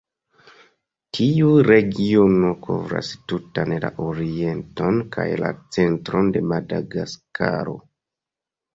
Tiu regiono kovras tutan la orienton kaj la centron de Madagaskaro.